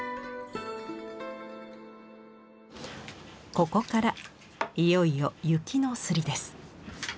ここからいよいよ雪の摺りです。